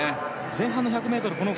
前半の１００ｍ